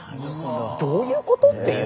「どういうこと？」っていう。